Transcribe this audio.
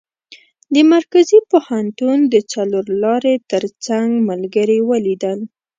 د مرکزي پوهنتون د څلور لارې تر څنګ ملګري ولیدل.